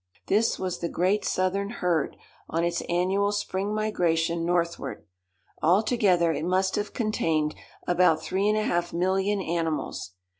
This was the great southern herd on its annual spring migration northward. Altogether it must have contained about three and a half million animals.